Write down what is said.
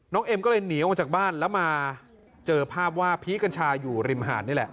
เอ็มก็เลยหนีออกมาจากบ้านแล้วมาเจอภาพว่าพีคกัญชาอยู่ริมหาดนี่แหละ